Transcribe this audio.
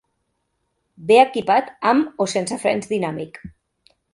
Ve equipat amb o sense frens dinàmic.